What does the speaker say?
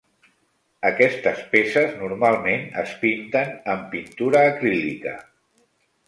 Aquestes peces normalment es pinten en pintura acrílica.